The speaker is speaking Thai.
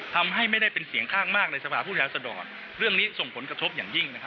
ทำให้ไม่ได้เป็นเสียงข้างมากในสภาพผู้แทนสดรเรื่องนี้ส่งผลกระทบอย่างยิ่ง